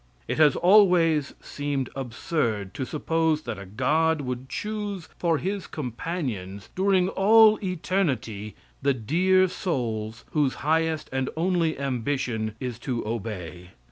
It has always seemed absurd to suppose that a God would choose for his companions during all eternity the dear souls whose highest and only ambition is to obey.